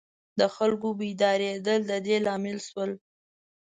د خلکو بیدارېدل د دې لامل شول.